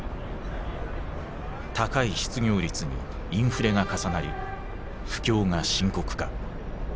高い失業率にインフレが重なり不況が深刻化。